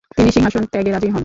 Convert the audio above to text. তিনি সিংহাসন ত্যাগে রাজি হন।